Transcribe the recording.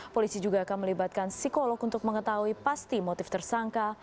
polisi juga akan melibatkan psikolog untuk mengetahui pasti motif tersangka